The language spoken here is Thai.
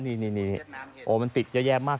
นี่มันติดเยอะแยะมากนะ